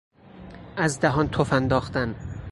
از دهان تف انداختن